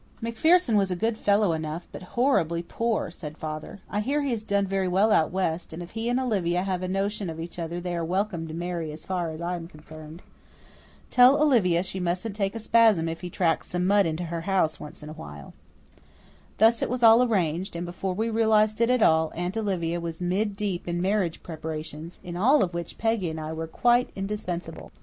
"MacPherson was a good fellow enough, but horribly poor," said father. "I hear he has done very well out west, and if he and Olivia have a notion of each other they are welcome to marry as far as I am concerned. Tell Olivia she mustn't take a spasm if he tracks some mud into her house once in a while." Thus it was all arranged, and, before we realized it at all, Aunt Olivia was mid deep in marriage preparations, in all of which Peggy and I were quite indispensable.